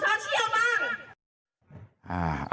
พัฒนานักศึกอ่ะพบกันไปดูในโซเชียลบ้าง